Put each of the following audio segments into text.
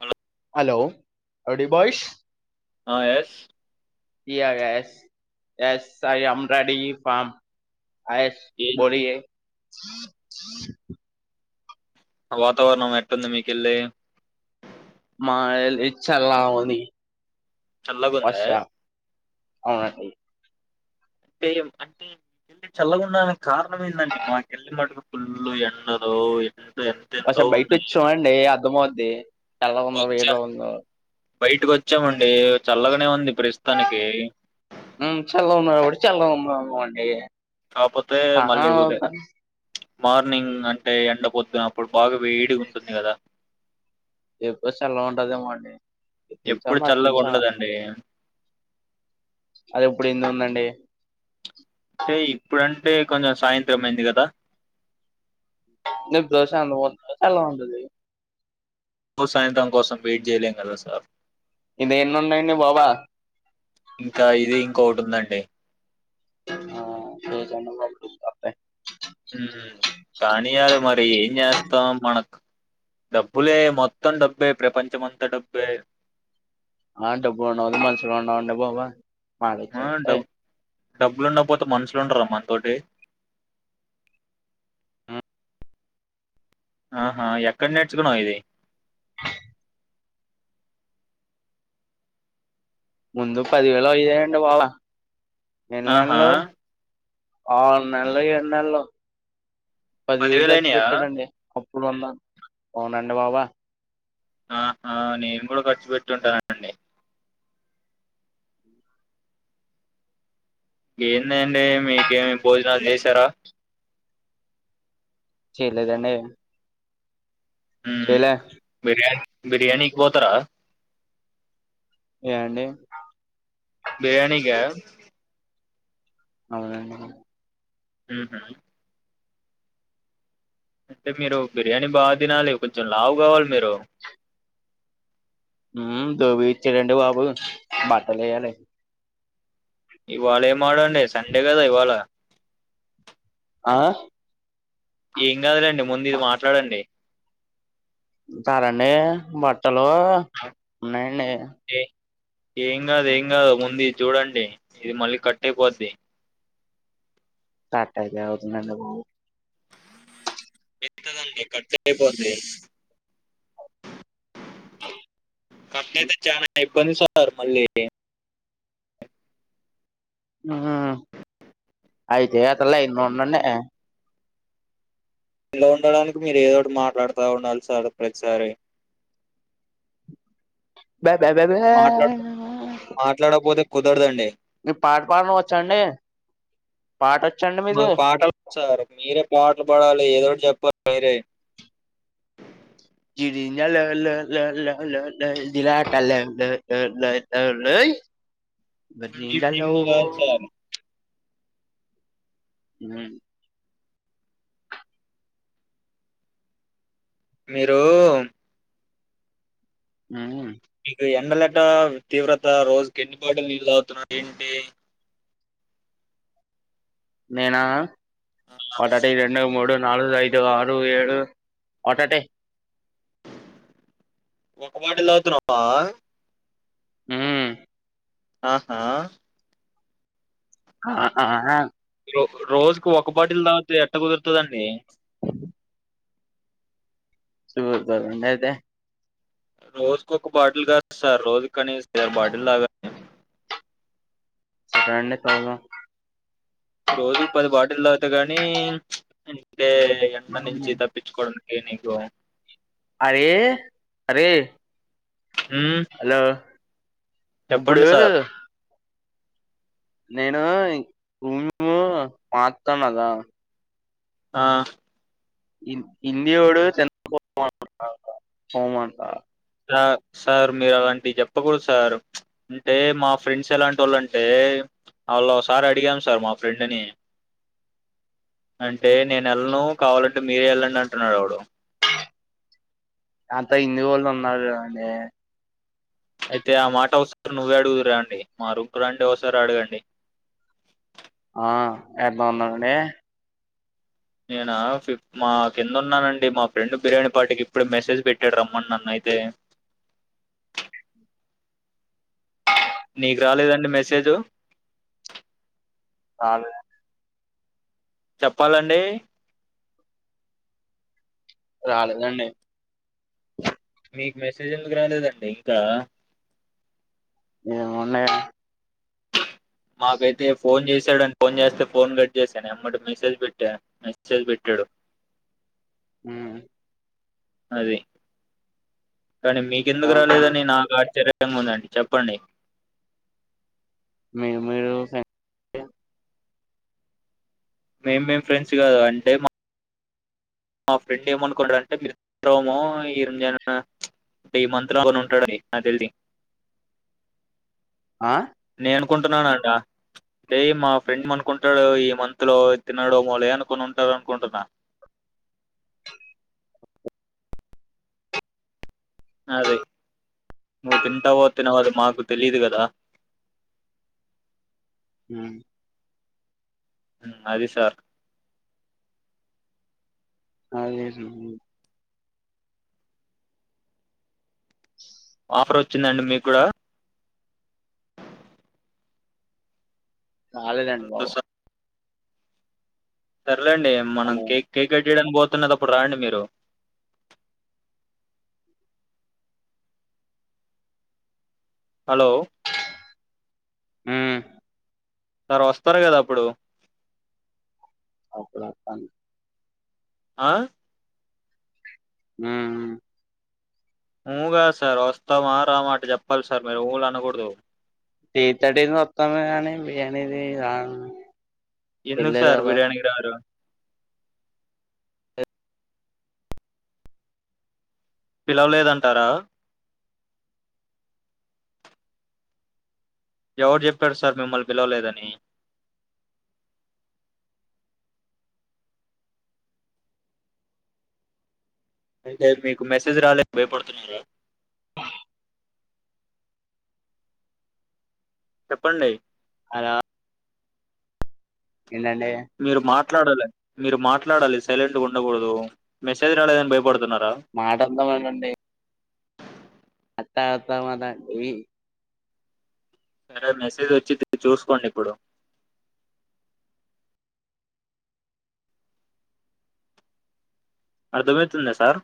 Hello hello ah ready boys. Ah yes. Yes yes I am ready from. Yes ఏం బోలియే. వాతావరణం ఎట్లుంది మీకెల్లి. ఆహ్ ఇచ్చలా ఉంది. చల్లగ ఉందా. అవునాది. అంటే అంటే వెళ్ళి చల్లకుండాను. కారణమేందండి మాకేలి మటుక్. ఫుల్లు ఎండలు ఎట్. అసలు బయట వచ్చమండి. కోమదే. వచ్చా బయటకి వచ్చామండి చల్లగానే ఉంది ప్రస్తుతానికి. ఏయ్ కాకపోతే మళ్ళీ ఉదే. మార్నింగ్ అంటే ఎండ పొద్దున్నప్పుడు బాగా వేడిగా ఉంటుంది కదా. ఎప్పుడు చల్లాగ ఉంటదేమోండి. తెలుసా ఎప్పుడు మాకు చల్లగా తెలుసా ఉండదండి అది ఎప్పుడు ఏంది ఉందండి. అంటే కొంచం సాయంత్రం అయింది కదా న దోశ అ ను దోశ ఎలా ఉంటది సాయంత్రం కోసం వెయిట్ చేయలేం కదా సార్ ఇదేన్ని ఉన్నాయండి బాబు ఇంకా ఇది ఇంకోటి ఉందండి ఆ రోజు ఏనాబైకి ఇత్త బే ఊ కానీ అది మరి ఏం చేస్తాం మనకు డబ్బులే మొత్తం డబ్బే ప్రపంచమ అంతా డబ్బే ఆ డబ్బు ఉన్నవాళ్ళు మంచిగా ఉన్నా బాబా ఆ! పాలించవ్ ఏ డబ్ డబ్బులుండకపోతే మనుషులు ఉండర మనతోటి ఆహా ఎక్కడ నేర్చుకున్నావ్ ఇది ముందు పదివేలు అయ్యాయండి బాబ ఆహా! వెళ్లాల్లో ఆ నల్లగ ఎండల్లో పదివేలు తెచ్చి అయినయా? పెట్టానండి ఇప్పుడు వంద అవునండి బాబు ఆ ఆహా నేను కూడా ఖర్చు పెట్టివుంటానండి ఏంది అండి మీకేమి భోజనాలు చేసారా చేయలేదండి ఊమ్ చేయలే బిర్యాని బిర్యానీ పోతార ఏండి బిర్యానీ క అవునండి ఉహు అంటే మీరు బిర్యానీ బాగా తినాలి కొంచెం లావు కావాలి మీరు ఊ దోబీ ఇచ్చాడండి బాబు బట్టలు వేయాలి ఇవాళ ఏమాడండి సండే కదా ఇవాళ ఆ ఏం కాదులేండి ముందు ఇది మాట్లాడండి ఇత్తర అండి బట్టల్ హలో ఉన్నాయండి ఏ ఏం కాదు ఏం కాదు ముందు ఇది చూడండి ఇది మళ్ళీ కట్ అయిపోద్ది తేలే అయితుంది అండి బాబు ఎట్ట దంక కడితే అయిపోద్ది [unintelligible] కొని సార్ మళ్ళీ ఆ అయితే అసలే ఎన్నోన్నయి ఇలా ఉండడానికి మీరు ఏదోటి మాట్లాడుతా ఉండాలి సార్ ప్రతిసారి బ బ బ ఆ మాట్లాడ మాట్లాడకపోతే కుదరదండి అండి పాట వచ్చండి మీకు మాకు పాటలు సార్ మీరే పాటలు పాడాలి ఏదోటి చెప్పాలి మీరే జీడీ గింజలో లో లో లో లో లో జిల్లాటలో లోలో లో లోయ్ జిమ్ బరింజలో జిమ్ కాదు సార్ ఉమ్ మీరు ఉమ్ మీకు ఎండలట్ల తీవ్రత రోజు కి ఎన్ని బట్టీల్లా నీళ్ళు తాగుతున్నారు ఏంటి నేనా ఒకటి రెండు మూడు నాలుగు ఐదు ఆరు ఏడు ఒటటీ ఒక బాటిల్ తాగుతున్నావా ఉమ్ ఆహా అహ రోజుకి ఒక బాటిల్ తాగితే ఎట్ట కుదురుతదండి చు అండి అయితే రోజుకొక బాటిల్ కాదు సార్ రోజు కానీస [unintelligible] దార్ బాటిల్ లాగాలి సరే అండి తాగుదం రోజుకి పది బాటిల్ తాగితే గాని అంటే ఎండ నుంచి ఉమ్ తప్పించుకోవడం కే నీకు అరే అరే ఉమ్ హలో ఇప్పుడు నేను భూమి మార్తానరా ఆ హిందీ వాడు [unintelligible] స సార్ మీరు అలాంటియి చెప్పకూడదు సార్ అంటే మా ఫ్రెండ్స్ ఎలాంటి వాళ్ళు అంటే వాళ్ళు ఒకసారి అడిగాం సార్ మా ఫ్రెండ్ ని అంటే నేను ఎళ్ళను కావాలంటే మీరే ఎళ్ళండి అంటున్నాడు వాడు అంత హిందీ వాళ్ళు ఉన్నారు అండి అయితే ఆ మాట ఒకసారి నువ్వే అడుగుదురాండి మా రూమ్ కి రండి ఒకసారి అడగండి ఆ ఎన్నా ఉనండి నేనా ఫిఫ్ మా కింద ఉన్నానండి మా ఫ్రెండ్ బిర్యానీ పార్టీకి ఇప్పుడే మెసేజ్ పెట్టాడు రమ్మని నన్ను అయితే నీకు రాలేదండి మెసేజు రాలే చెప్పాలండి రాలేదండి మీకు మెసేజ్ ఎందుకు రాలేదండి ఇంకా ఏమో నే మాకైతే ఫోన్ చేసి డని ఫోన్ చేస్తే ఫోన్ కట్ చేసాను ఎమ్మటే మెసేజ్ పెట్టా మెసేజ్ పెట్టాడు హు అది కానీ మీకెందుకు ఏమంటారు? రాలేదని నాకు ఆచార్యం సేమ్ ఉందండి చెప్పండి మీ మీరు మేం మేం ఫ్రెండ్స్ కాదు అంటే మా మా ఫ్రెండ్ ఏమనుకున్నాడుంటే మీరుమో [unintelligible] నాకు తెలిసి ఆ నేను అనుకుంటున్నాన అని అంటా రే మా ఫ్రెండ్ అనుకుంటాడు ఈ మంత్ లో తినడో ఏమోలే అనుకునింటారు అనుకుంటున్నా అదే నువ్వు తింటావ తినవదు మాకు తెలిదు కదా హు అది సార్ అదే చూ ఆఫర్ వచ్చిందండి మీకు కూడా రాలేదండి హలో బాబు సార్ లేండి మనం హలో కేక్ కేక్ కట్ చేయడానికి పో తున్నదిప్పుడు రాండి మీరు హలో హు సార్ వస్తారు కదా అప్పుడు అప్పుడు వస్తాన్ ఆ హు ఊగా సార్ వస్తావ రావా అట చెప్పాలి సార్ మీరు ఊ అనకూడదు త్రి తర్టీ కి ఒత్తం కానీ బిర్యానీ [unintelligible] ఎందుకు సార్ బిర్యానీకి రారు పిలవలేదంటారా ఎవరు చెప్పారు సార్ మిమ్మల్ని పిలవలేదని అయితే మీకు మెసేజ్ రాలేదు భయపడుతున్నారా చెప్పండి హ ఎంటంటే మీరు మాట్లాడాలి మీరు మాట్లాడాలి సైలెంట్ గా ఉండకూడదు మెసేజ్ రాలేదని భయపడుతున్నార మాట [unintelligible] అండి [unintelligible] ఈ సరే మెసేజ్ వచ్చింది చూసుకోండి ఇప్పుడు అర్ధమవుతుంద సార్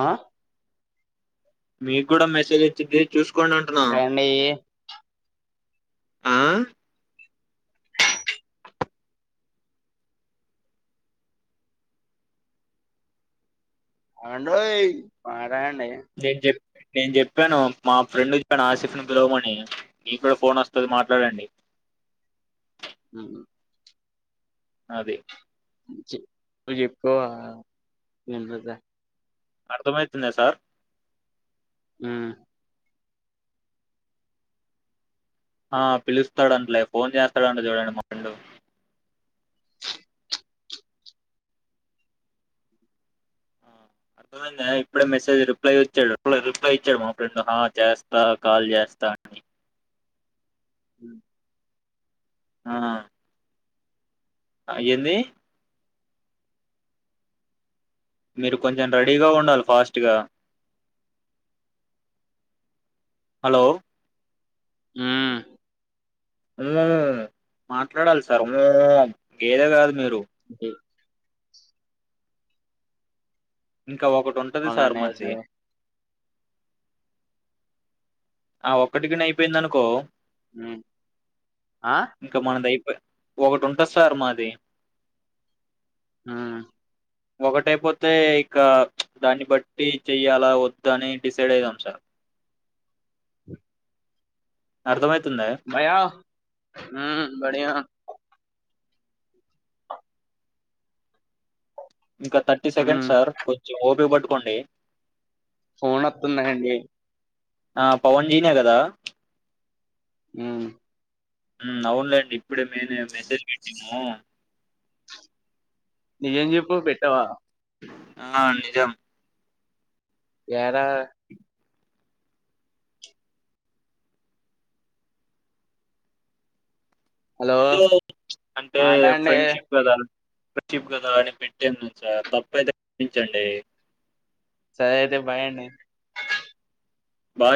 ఆ మీకు కూడా మెసేజ్ వచ్చింది చూసుకో రండి ఆ అండి ఓయ్ రాండి నేను చెప్ నేను చెప్పాను మా ఫ్రెండ్ కు చెప్పాను ఆసిఫ్ని పిలవమని మీకు కూడా ఫోన్ వస్తుంది మాట్లాడండి ఉఉ అది [unintelligible] అర్దమయితుందా సార్ ఊ ఆ పిలుస్తాడంటలే ఫోన్ చేస్తాడంట చూడండి మా ఫ్రెండు ఆ అర్ద మైంద ఇప్పుడే మెసేజ్ రిప్లై వచ్చాడు రిప్లై ఇచ్చాడు మా ఫ్రెండ్ హ చేస్తా కాల్ చేస్తా అని అ ఆ ఆ ఏంది మీరు కొంచెం రెడీగా ఉండాలి ఫాస్ట్ గా హలో ఊ ఊ మాట్లాడాలి సార్ ఓ గేదె కాదు మీరు ఏ ఇంకా ఒకటి ఉంటది సార్ అవునండి మంది సరే ఆ ఒక్కటిగిన అయిపోయింది అనుకో ఉ ఆ ఇంకా మనది అయిపో ఒకటి ఉంటది సార్ మాది హ ఒకటైపోతే ఇక దాన్ని బట్టి చెయ్యాలా వద్ద అని డిసైడ్ అయిదాం సార్ ఏ అర్థమై భయ్యా ఊ బడియా ఇంకా థర్టీ సెకండ్ హ్మ్ సార్ కొంచెం ఓపిక బట్టు కోండి ఫోన్ నొత్తున్నాయండి ఆ పవన్ జీనే కదా ఊ ఆ అవునులేండి ఇప్పుడే నేనె మెసేజ్ పెట్టిము నిజం చెప్పు పెట్టవా ఆ నిజం యార హలో ఏదో అంటే మాటాడండి ఫ్రెండ్షిప్ కదా షిప్ కదా అని పెట్టాను సార్ తప్ప అయితే క్షమించండి సరే అయితే బాయ్ అండి బా